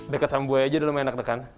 deket sama buaya aja udah lumayan enak tekan